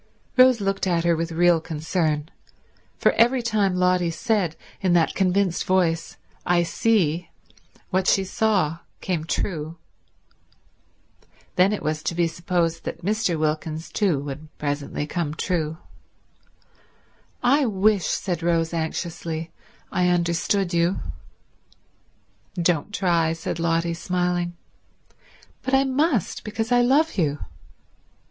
Rose looked at her with real concern: for every time Lotty said in that convinced voice, "I see," what she saw came true. Then it was to be supposed that Mr. Wilkins too would presently come true. "I wish," said Rose anxiously, "I understood you." "Don't try," said Lotty, smiling. "But I must, because I love you."